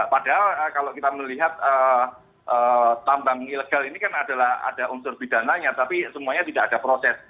padahal kalau kita melihat tampang ilegal ini kan ada unsur bidang lainnya tapi semuanya tidak ada proses